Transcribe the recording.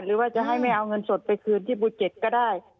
หรือว่าจะให้ไม่เอาเงินสดไปคืนที่ภูเก็ตก็ได้